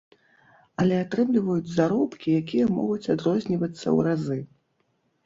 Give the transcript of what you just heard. Але атрымліваюць заробкі, якія могуць адрознівацца ў разы.